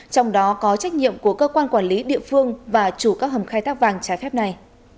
trong đó có trách nhiệm của cơ quan quản lý địa phương và chủ các hầm khai thác vàng trái phép này